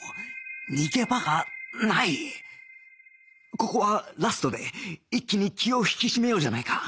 ここはラストで一気に気を引き締めようじゃないか